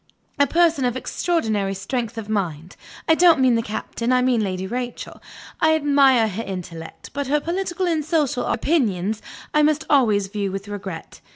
A person of extraordinary strength of mind (I don't mean the Captain; I mean Lady Rachel); I admire her intellect, but her political and social opinions I must always view with regret.